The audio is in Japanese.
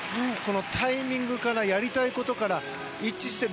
タイミングからやりたいことから一致していて。